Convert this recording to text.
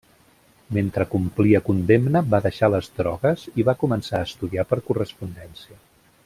Mentre complia condemna, va deixar les drogues i va començar a estudiar per correspondència.